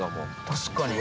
確かに。